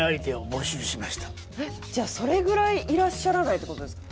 えっじゃあそれぐらいいらっしゃらないって事ですか？